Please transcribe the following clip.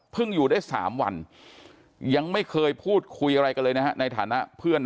อยู่ได้๓วันยังไม่เคยพูดคุยอะไรกันเลยนะฮะในฐานะเพื่อน